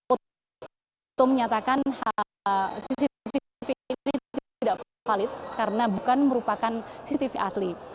untuk menyatakan cctv ini tidak valid karena bukan merupakan cctv asli